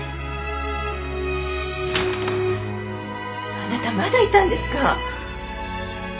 あなたまだいたんですか。